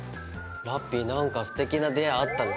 ラッピィ何かすてきな出会いあったの？